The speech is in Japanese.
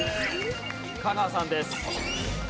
香川さんです。